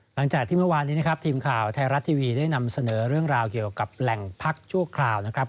หลังจากที่เมื่อวานนี้นะครับทีมข่าวไทยรัฐทีวีได้นำเสนอเรื่องราวเกี่ยวกับแหล่งพักชั่วคราวนะครับ